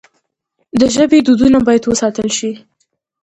د ژبې دودونه باید وساتل سي.